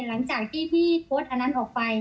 หลังจากที่พี่โพสต์อันนั้นออกไป